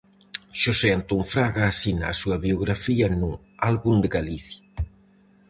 Xose Antón Fraga asina a súa biografía no "Álbum de Galicia".